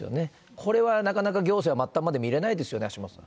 これはなかなか行政は末端まで見れないですよね、橋下さん。